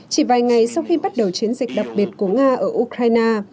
chỉ vài ngày sau khi bắt đầu chiến dịch đặc biệt của nga ở ukraine